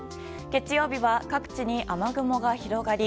月曜日は、各地に雨雲が広がり